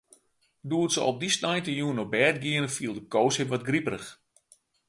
Doe't se op dy sneintejûn op bêd giene, fielde Koos him wat griperich.